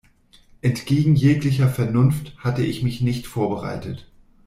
Entgegen jeglicher Vernunft, hatte ich mich nicht vorbereitet.